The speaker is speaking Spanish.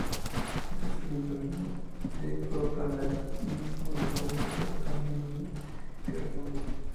Este surgimiento de totalitarismos acabó desembocando en una nueva guerra mundial.